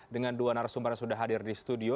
dengan dua narasumber yang sudah hadir di studio